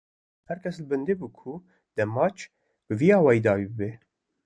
Her kes li bendê bû ku dê maç, bi vî awayî bi dawî bibe